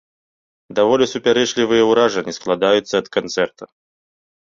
Даволі супярэчлівыя ўражанні складаюцца ад канцэрта.